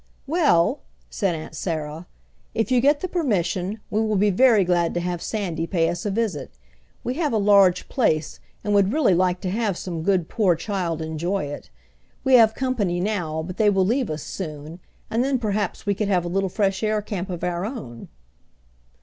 "Well," said Aunt Sarah, "if you get the permission we will be very glad to have Sandy pay us a visit. We have a large place, and would really like to have some good poor child enjoy it. We have company now, but they will leave us soon, and then perhaps we could have a little fresh air camp of our own."